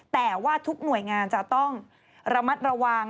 แต่ว่าทุกหน่วยงานจะต้องระมัดระวัง